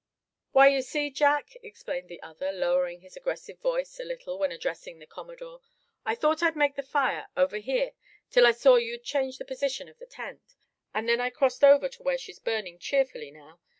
"Why, you see, Jack," explained the other, lowering his aggressive voice a little when addressing the commodore, "I thought I'd make the fire over here till I saw you'd changed the position of the tent; and then I crossed over to where she's burning cheerfully now.